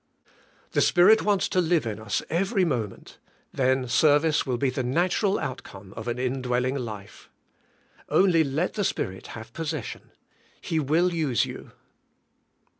The Spirit wants to live in us every moment; then service will be the natural out come of an indwelling life. Only let the Spirit have possession. He will use you.